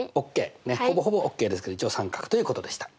ほぼほぼＯＫですけど一応三角ということでした。